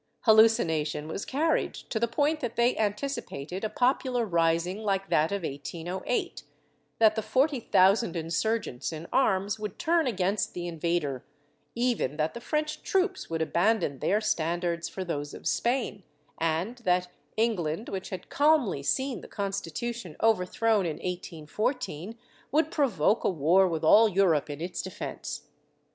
Hallucination was carried to the point that they anticipated a popular rising like that of 1808, that the forty thousand insurgents in arms would turn against the invader, even that the French troops would abandon their standards for those of Spain, and that England, which had calmly seen the Constitution overthrown in 1814, w^ould provoke a war with all Europe in its defence.